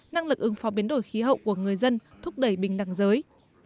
năng lực ứng phó biến đổi khí hậu của người dân thúc đẩy bình đẳng giới